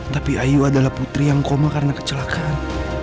tapi ayu adalah putri yang koma karena kecelakaan